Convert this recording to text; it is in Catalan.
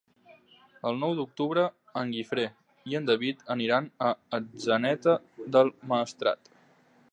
El nou d'octubre en Guifré i en David aniran a Atzeneta del Maestrat.